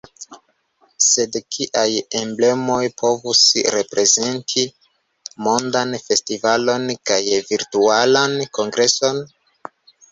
Sed kiaj emblemoj povus reprezenti mondan festivalon kaj virtualan kongreson?